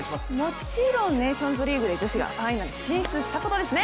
もちろんネーションズリーグで女子がファイナル進出したことですね。